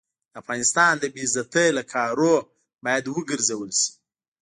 د افغانستان د بې عزتۍ له کارو باید وګرزول شي.